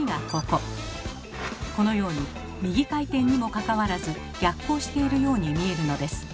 このように右回転にもかかわらず逆行しているように見えるのです。